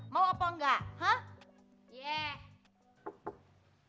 mau apa enggak ha